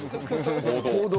報道。